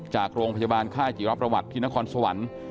จากโรงพยาบาลค่ายจิรประวัติที่นครสวรรค์